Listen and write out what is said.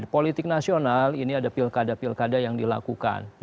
politik nasional ini ada pilkada pilkada yang dilakukan